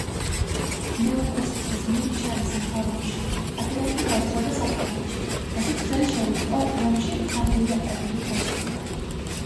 ნეოკლასიციზმი ჩაისახა რომში, აქედან კი გავრცელდა საფრანგეთში, რასაც ხელი შეუწყო რომში ფრანგული აკადემიის არსებობამ.